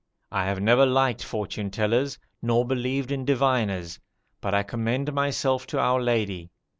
I have never liked fortune tellers, nor believed in diviners; but I commend myself to our Lady.